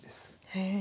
へえ。